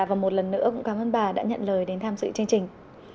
và một lần nữa cũng cảm ơn bà đã nhận lời đến tham dự chương trình